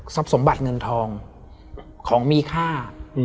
ทรัพย์สมบัติเงินทองของมีค่า